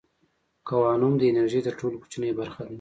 کوانوم د انرژۍ تر ټولو کوچنۍ برخه ده.